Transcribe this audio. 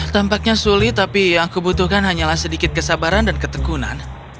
tampaknya sulit tapi yang aku butuhkan hanyalah sedikit kesabaran dan ketekunan